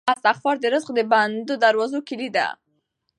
استغفار د رزق د بندو دروازو کیلي ده.